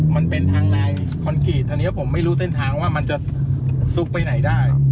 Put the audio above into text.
มันเป็นทางในคอนกรีตตอนนี้ผมไม่รู้เส้นทางว่ามันจะซุกไปไหนได้